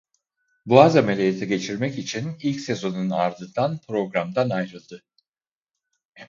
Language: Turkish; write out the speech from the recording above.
Boğaz ameliyatı geçirmek için ilk sezonun ardından programdan ayrıldı.